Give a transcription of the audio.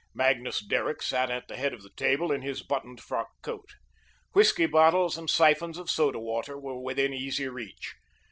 Magnus Derrick sat at the head of the table, in his buttoned frock coat. Whiskey bottles and siphons of soda water were within easy reach.